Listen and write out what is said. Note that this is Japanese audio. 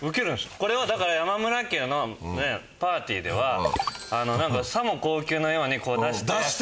これはだから山村家のパーティーではさも高級なようにこう出して。